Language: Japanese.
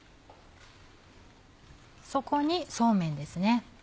そこにそうめんです。